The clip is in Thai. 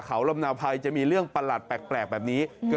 เขาจับชิ้นน่องตัวเอง